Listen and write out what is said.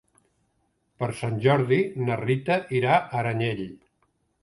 Per Sant Jordi na Rita irà a Aranyel.